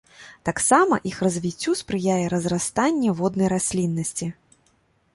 Таксама іх развіццю спрыяе разрастанне воднай расліннасці.